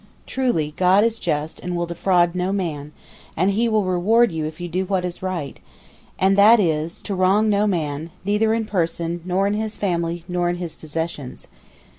Truly God is just and will defraud no man, and He will reward you if you do what is right; and that is, to wrong no man, neither in person, nor in his family, nor in his possessions.